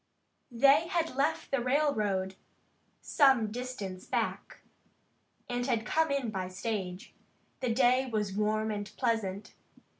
They had left the railroad some distance back, and had come in by stage. The day was warm and pleasant.